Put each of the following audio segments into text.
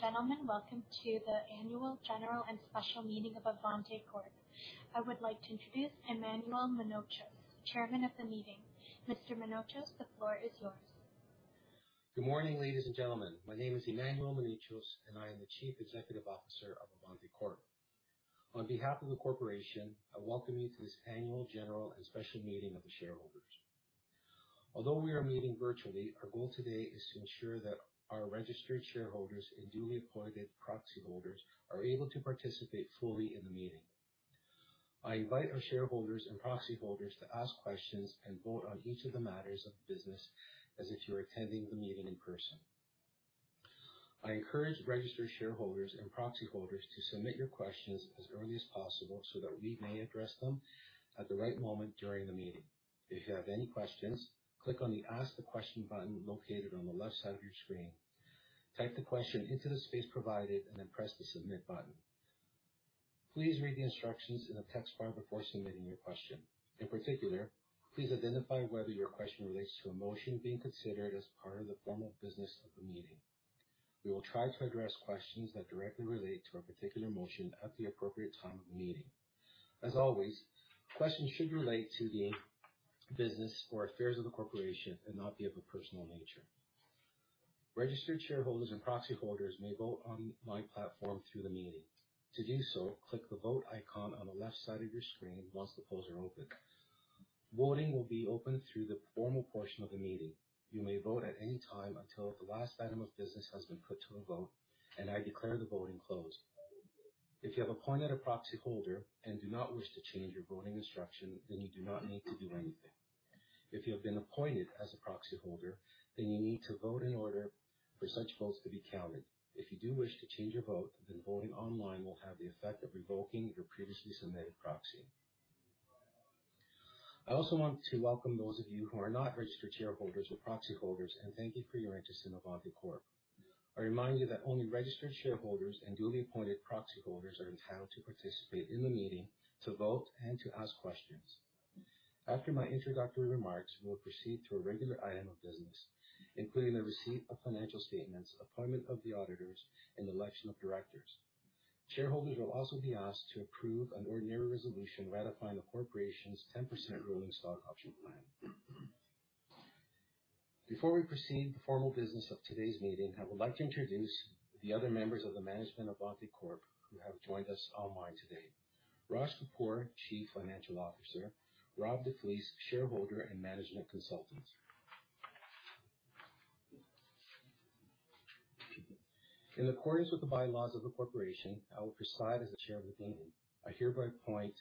Ladies and gentlemen, welcome to the annual general and special meeting of Avante Corp. I would like to introduce Emmanuel Mounouchos, Chairman of the meeting. Mr. Mounouchos, the floor is yours. Good morning, ladies and gentlemen. My name is Emmanuel Mounouchos, and I am the Chief Executive Officer of Avante Corp. On behalf of the corporation, I welcome you to this annual general and special meeting of the shareholders. Although we are meeting virtually, our goal today is to ensure that our registered shareholders and duly appointed proxy holders are able to participate fully in the meeting. I invite our shareholders and proxy holders to ask questions and vote on each of the matters of business as if you were attending the meeting in person. I encourage registered shareholders and proxy holders to submit your questions as early as possible so that we may address them at the right moment during the meeting. If you have any questions, click on the Ask a Question button located on the left side of your screen, type the question into the space provided, and then press the Submit button. Please read the instructions in the text bar before submitting your question. In particular, please identify whether your question relates to a motion being considered as part of the formal business of the meeting. We will try to address questions that directly relate to a particular motion at the appropriate time of the meeting. As always, questions should relate to the business or affairs of the corporation and not be of a personal nature. Registered shareholders and proxy holders may vote on my platform through the meeting. To do so, click the Vote icon on the left side of your screen once the polls are open. Voting will be open through the formal portion of the meeting. You may vote at any time until the last item of business has been put to a vote, and I declare the voting closed. If you have appointed a proxy holder and do not wish to change your voting instruction, then you do not need to do anything. If you have been appointed as a proxy holder, then you need to vote in order for such votes to be counted. If you do wish to change your vote, then voting online will have the effect of revoking your previously submitted proxy. I also want to welcome those of you who are not registered shareholders or proxy holders, and thank you for your interest in Avante Corp. I remind you that only registered shareholders and duly appointed proxy holders are entitled to participate in the meeting, to vote, and to ask questions. After my introductory remarks, we will proceed to a regular item of business, including the receipt of financial statements, appointment of the auditors, and election of directors. Shareholders will also be asked to approve an ordinary resolution ratifying the corporation's 10% rolling stock option plan. Before we proceed with the formal business of today's meeting, I would like to introduce the other members of the management of Avante Corp. who have joined us online today. Raj Kapoor, Chief Financial Officer, Rob DeFlece, Shareholder and Management Consultant. In accordance with the bylaws of the corporation, I will preside as the chair of the meeting. I hereby appoint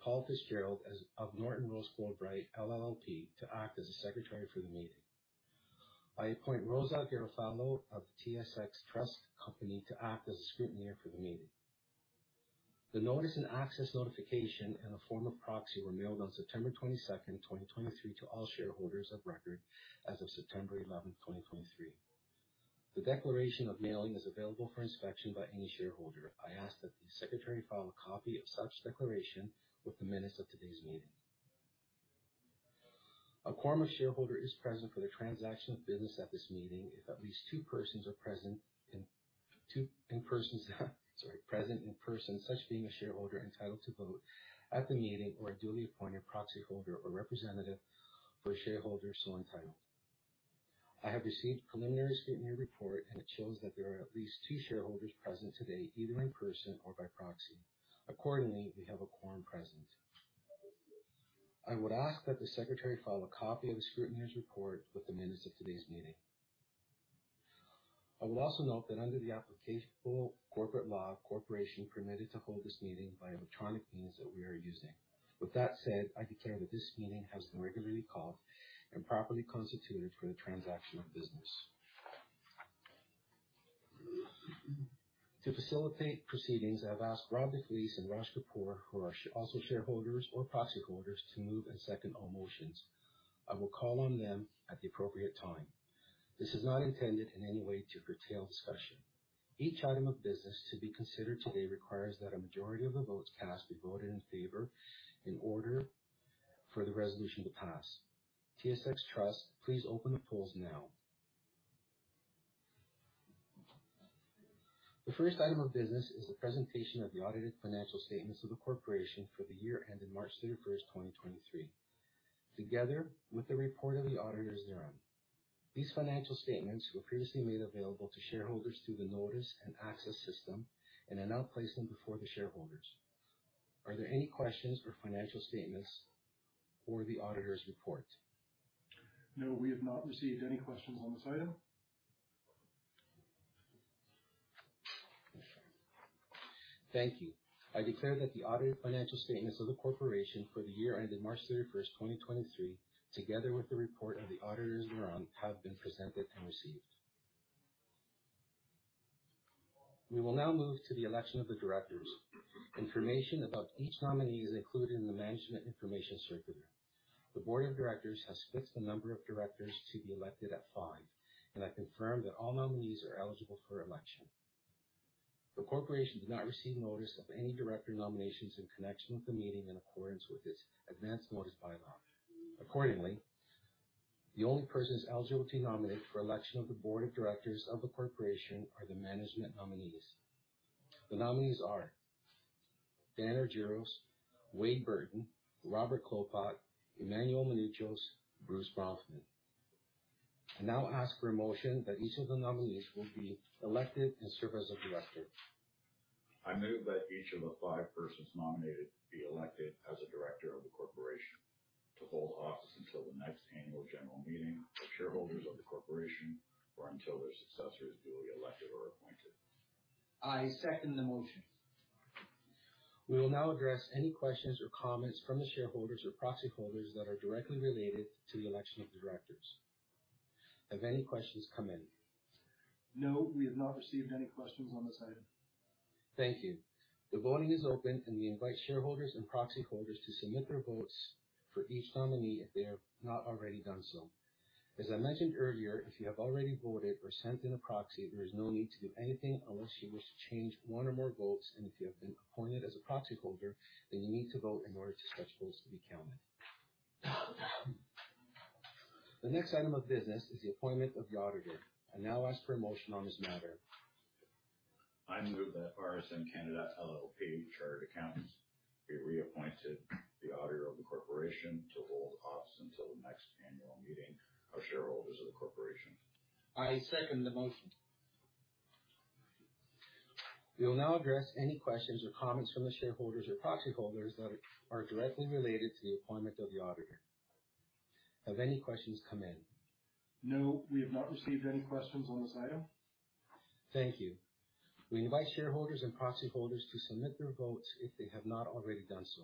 Paul Fitzgerald of Norton Rose Fulbright LLP to act as the secretary for the meeting. I appoint Rosa Garofalo of TSX Trust Company to act as the scrutineer for the meeting. The notice and access notification and the form of proxy were mailed on September 22nd, 2023, to all shareholders of record as of September 11th, 2023. The declaration of mailing is available for inspection by any shareholder. I ask that the secretary file a copy of such declaration with the minutes of today's meeting. A quorum of shareholder is present for the transaction of business at this meeting if at least two persons are present in person, such being a shareholder entitled to vote at the meeting or a duly appointed proxy holder or representative for a shareholder so entitled. I have received the preliminary scrutineer report, and it shows that there are at least two shareholders present today, either in person or by proxy. Accordingly, we have a quorum present. I would ask that the secretary file a copy of the scrutineer's report with the minutes of today's meeting. I would also note that under the applicable corporate law, the corporation is permitted to hold this meeting by electronic means that we are using. With that said, I declare that this meeting has been regularly called and properly constituted for the transaction of business. To facilitate proceedings, I've asked Rob DeFlece and Raj Kapoor, who are also shareholders or proxy holders, to move and second all motions. I will call on them at the appropriate time. This is not intended in any way to curtail discussion. Each item of business to be considered today requires that a majority of the votes cast be voted in favor in order for the resolution to pass. TSX Trust, please open the polls now. The first item of business is the presentation of the audited financial statements of the corporation for the year ended March 31st, 2023, together with a report of the auditors thereon. These financial statements were previously made available to shareholders through the notice and access system and are now placed before the shareholders. Are there any questions for financial statements or the auditors' report? No, we have not received any questions on this item. Thank you. I declare that the audited financial statements of the corporation for the year ended March 31st, 2023, together with the report of the auditors thereon, have been presented and received. We will now move to the election of the directors. Information about each nominee is included in the management information circular. The board of directors has fixed the number of directors to be elected at five, and I confirm that all nominees are eligible for election. The corporation did not receive notice of any director nominations in connection with the meeting in accordance with its advance notice bylaw. Accordingly, the only persons eligible to nominate for election of the board of directors of the corporation are the management nominees. The nominees are Daniel Argiros, Wade Burton, Robert Klopot, Emmanuel Mounouchos, Bruce Bronfman. I now ask for a motion that each of the nominees will be elected and serve as a director. I move that each of the five persons nominated be elected as a director of the corporation to hold office until the next annual general meeting of shareholders of the corporation, or until their successors duly elected or appointed. I second the motion. We will now address any questions or comments from the shareholders or proxyholders that are directly related to the election of the directors. Have any questions come in? No, we have not received any questions on this item. Thank you. The voting is open, and we invite shareholders and proxyholders to submit their votes for each nominee if they have not already done so. As I mentioned earlier, if you have already voted or sent in a proxy, there is no need to do anything unless you wish to change one or more votes, and if you have been appointed as a proxyholder, then you need to vote in order for such votes to be counted. The next item of business is the appointment of the auditor. I now ask for a motion on this matter. I move that RSM Canada LLP Chartered Accountants be reappointed the auditor of the corporation to hold office until the next annual meeting of shareholders of the corporation. I second the motion. We will now address any questions or comments from the shareholders or proxyholders that are directly related to the appointment of the auditor. Have any questions come in? No, we have not received any questions on this item. Thank you. We invite shareholders and proxyholders to submit their votes if they have not already done so.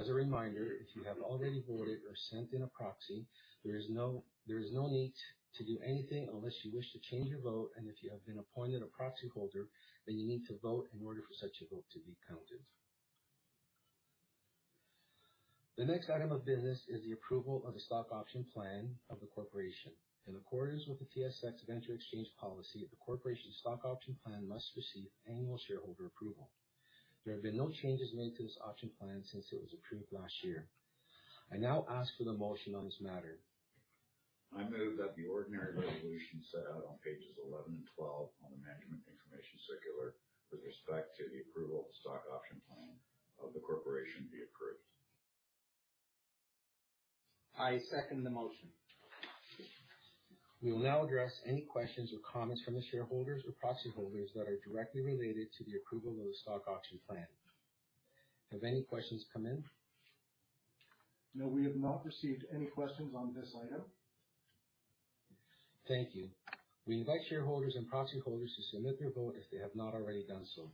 As a reminder, if you have already voted or sent in a proxy, there is no need to do anything unless you wish to change your vote, and if you have been appointed a proxyholder, then you need to vote in order for such a vote to be counted. The next item of business is the approval of the stock option plan of the corporation. In accordance with the TSX Venture Exchange policy, the corporation's stock option plan must receive annual shareholder approval. There have been no changes made to this option plan since it was approved last year. I now ask for the motion on this matter. I move that the ordinary resolution set out on pages 11 and 12 on the management information circular with respect to the approval of the stock option plan of the corporation be approved. I second the motion. We will now address any questions or comments from the shareholders or proxyholders that are directly related to the approval of the stock option plan. Have any questions come in? No, we have not received any questions on this item. Thank you. We invite shareholders and proxyholders to submit their vote if they have not already done so.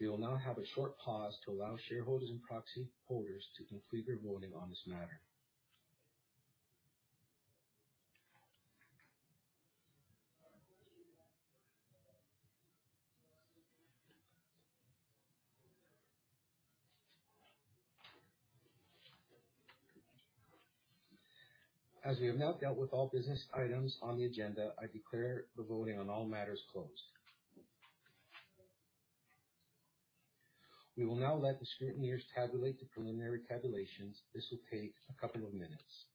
We will now have a short pause to allow shareholders and proxyholders to complete their voting on this matter. As we have now dealt with all business items on the agenda, I declare the voting on all matters closed. We will now let the scrutineers tabulate the preliminary tabulations. This will take a couple of minutes.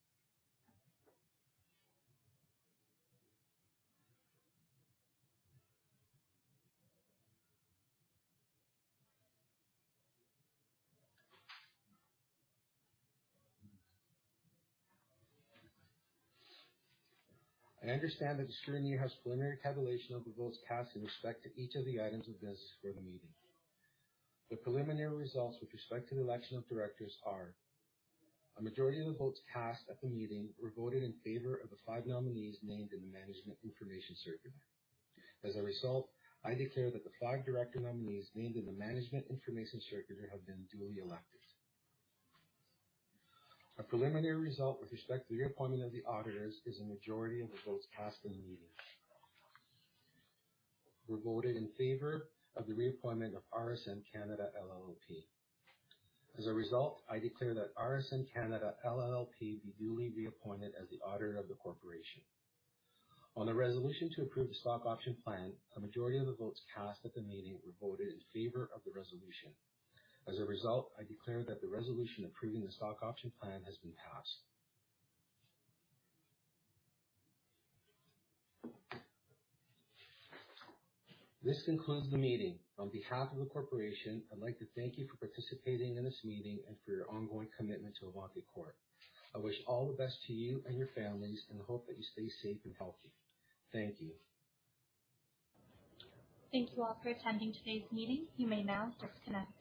I understand that the scrutineer has preliminary tabulation of the votes cast in respect to each of the items of business for the meeting. The preliminary results with respect to the election of directors are. A majority of the votes cast at the meeting were voted in favor of the five nominees named in the management information circular. As a result, I declare that the five director nominees named in the management information circular have been duly elected. A preliminary result with respect to the reappointment of the auditors is a majority of the votes cast in the meeting were voted in favor of the reappointment of RSM Canada LLP. As a result, I declare that RSM Canada LLP be duly reappointed as the auditor of the corporation. On the resolution to approve the stock option plan, a majority of the votes cast at the meeting were voted in favor of the resolution. As a result, I declare that the resolution approving the stock option plan has been passed. This concludes the meeting. On behalf of the corporation, I'd like to thank you for participating in this meeting and for your ongoing commitment to Avante Corp. I wish all the best to you and your families and hope that you stay safe and healthy. Thank you. Thank you all for attending today's meeting. You may now disconnect.